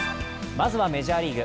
まずはメジャーリーグ。